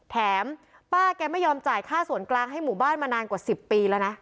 แถมป้าแกไม่ยอมจ่ายค่าส่วนกลางให้หมู่บ้านมานานกว่า๑๐ปีแล้วนะ